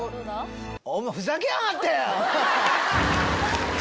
お前、ふざけやがって。